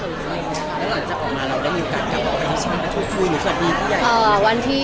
และหลังจากออกมาเราได้มีโอกาสลองทำแบบไหนครับ